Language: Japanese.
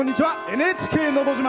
「ＮＨＫのど自慢」。